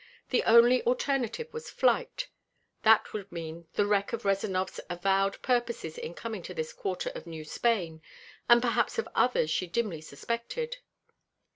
The only alternative was flight. That would mean the wreck of Rezanov's avowed purposes in coming to this quarter of New Spain, and perhaps of others she dimly suspected.